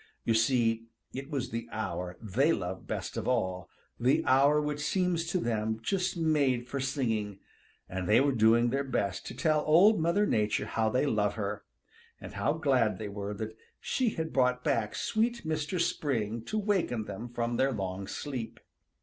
You see it was the hour they love best of all, the hour which seems to them just made for singing, and they were doing their best to tell Old Mother Nature how they love her, and how glad they were that she had brought back sweet Mistress Spring to waken them from their long sleep.